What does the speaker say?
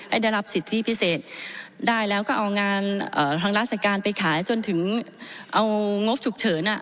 ได้รับสิทธิพิเศษได้แล้วก็เอางานทางราชการไปขายจนถึงเอางบฉุกเฉินอ่ะ